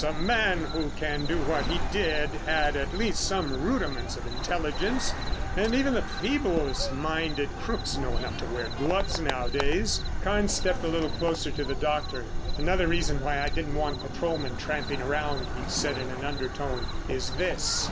A man who can do what he did had at least some rudiments of intelligence, and even the feeblest minded crooks know enough to wear gloves nowadays." Carnes stepped a little closer to the doctor. "Another reason why I didn't want patrolmen tramping around," he said in an undertone, "is this.